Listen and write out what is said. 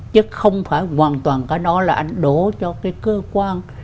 chứ không phải hoàn toàn cả đó là anh đổ cho cái cơ quan